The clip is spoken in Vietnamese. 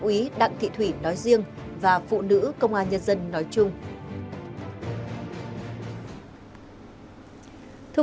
úy đặng thị thủy nói riêng và phụ nữ công an nhân dân nói chung ừ ừ